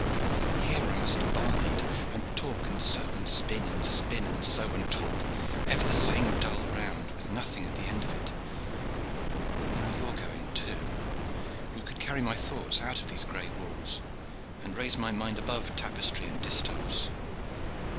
Here I must bide, and talk and sew and spin, and spin and sew and talk. Ever the same dull round, with nothing at the end of it. And now you are going too, who could carry my thoughts out of these gray walls, and raise my mind above tapestry and distaffs.